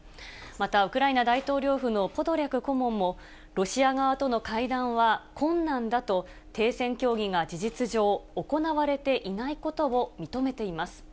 また、ウクライナ大統領府のポドリャク顧問も、ロシア側との会談は困難だと、停戦協議が事実上、行われていないことを認めています。